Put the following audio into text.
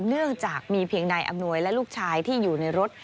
เนื่องจากมีเพียงนายอำนวยและลูกชายที่อยู่ในรถ